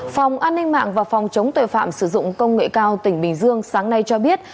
phòng an ninh mạng và phòng chống tội phạm sử dụng công nghệ cao tỉnh bình dương sáng nay cho biết